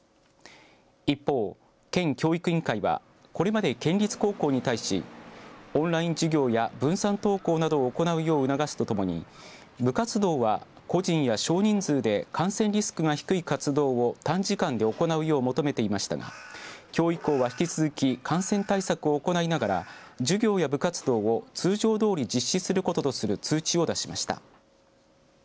一方、県教育委員会はこれまで県立高校に対しオンライン授業や分散登校などを行うよう促すとともに部活動は個人や少人数で感染リスクが低い活動を短時間で行うよう求めていましたがきょう以降は引き続き感染対策を行いながら授業や部活動を通常どおり実施することとする通知を出しました。